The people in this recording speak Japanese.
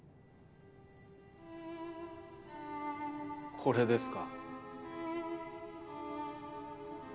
これですか？